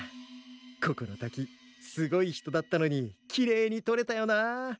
ここの滝すごい人だったのにきれいにとれたよなあ。